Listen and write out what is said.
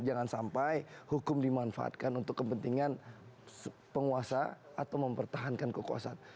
jangan sampai hukum dimanfaatkan untuk kepentingan penguasa atau mempertahankan kekuasaan